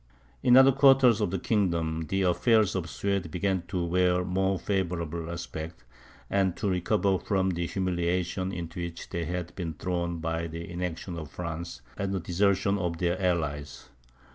In other quarters of the kingdom, the affairs of the Swedes began to wear a more favourable aspect, and to recover from the humiliation into which they had been thrown by the inaction of France, and the desertion of their allies.